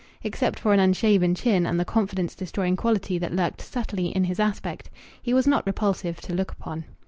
Except for an unshaven chin, and the confidence destroying quality that lurked subtly in his aspect, he was not repulsive to look upon.